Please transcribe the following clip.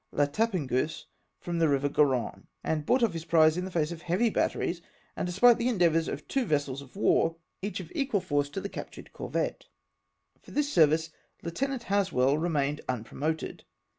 La Tapageuse, from tlie river Gar(.)nne, and brought off his prize, in the face of heavy batteries, and despite the endeavours of two vessels of war — each of equal force to the captured cor\'ette. CUTTING OUT LE C2ESAR. 205 For this service Lieutenant Haswell remained unpro nioted.